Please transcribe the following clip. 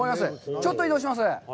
ちょっと移動します。